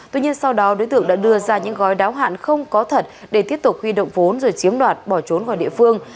tuy nhiên sau đó đối tượng đã đưa ra những gói đáo hạn không có thật để tiếp tục huy động vốn rồi chiếm đoạt bỏ trốn khỏi địa phương